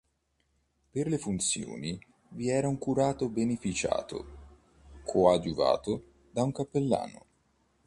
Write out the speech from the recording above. Per le funzioni vi erano un curato beneficiato coadiuvato da un cappellano.